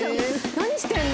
何してるの？